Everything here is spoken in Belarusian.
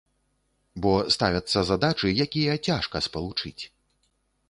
Бо ставяцца задачы, якія цяжка спалучыць.